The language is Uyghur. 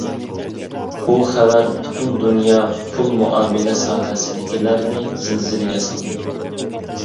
بۇ خەۋەر پۈتۈن دۇنيا پۇل مۇئامىلە ساھەسىدىكىلەرنى زىلزىلىگە سالدى.